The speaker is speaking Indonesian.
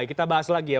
kita bahas lagi ya